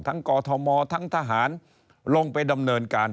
กอทมทั้งทหารลงไปดำเนินการ